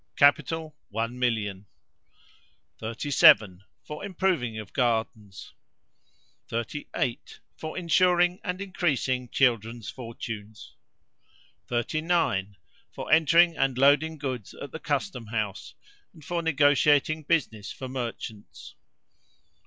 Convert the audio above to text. Capital, one million. 37. For improving of gardens. 38. For insuring and increasing children's fortunes. 39. For entering and loading goods at the Custom house, and for negotiating business for merchants.